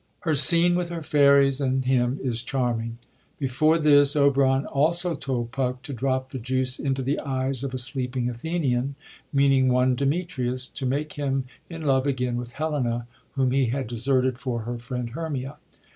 Her scene with her fairies and him is charm ing. Before this, Oberon also told Puck to drop the juice into the eyes of a sleeping Athenian — ^meaning one Demetrius — to make him in love again with Helena, whom he had deserted for her friend Hermia.